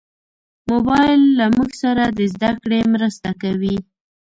موبایل له موږ سره د زدهکړې مرسته کوي.